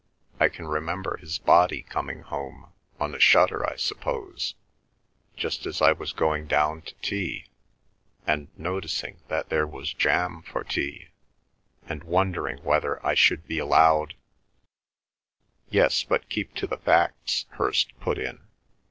I can remember his body coming home, on a shutter I suppose, just as I was going down to tea, and noticing that there was jam for tea, and wondering whether I should be allowed—" "Yes; but keep to the facts," Hirst put in.